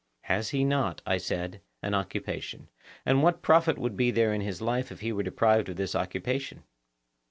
Has he not, I said, an occupation; and what profit would there be in his life if he were deprived of his occupation?